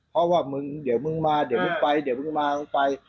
เพราะว่ามึงเดี๋ยวมึงมาเดี๋ยวมึงไปเดี๋ยวมึงมามึงไป